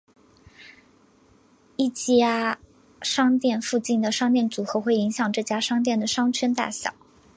一家商店附近的商店组合会影响这家商店的商圈大小。